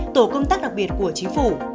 tổ công tác đặc biệt của chính phủ